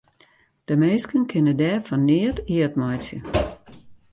De minsken kinne dêr fan neat eat meitsje.